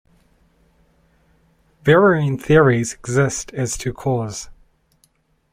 Varying theories exist as to cause.